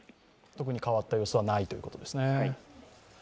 特に変わった様子はないということですね。